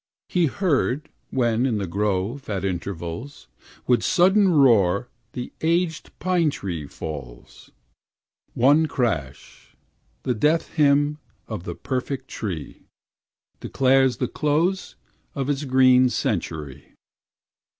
He heard, when in the grove, at intervals, With sudden roar the aged pine tree falls, One crash, the death hymn of the perfect tree, Declares the close of its green century.